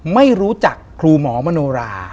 ไม่รู้จักครูหมอมโนรา